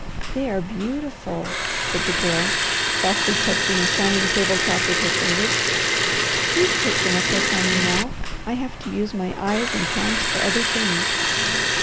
"They are beautiful," said the Girl, softly touching the shining table top with her fingers. "Please put the necklace on me now, I have to use my eyes and hands for other things."